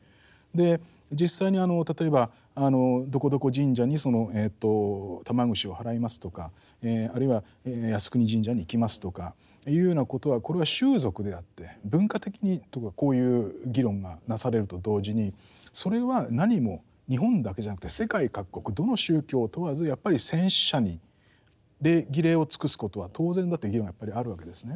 実際に例えばどこどこ神社に玉串を払いますとかあるいは靖国神社に行きますとかいうようなことはこれは習俗であって文化的にとかこういう議論がなされると同時にそれはなにも日本だけじゃなくて世界各国どの宗教を問わずやっぱり戦死者に礼儀礼を尽くすことは当然だという議論がやっぱりあるわけですね。